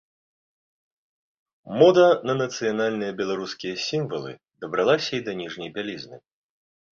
Мода на нацыянальныя беларускія сімвалы дабралася і да ніжняй бялізны.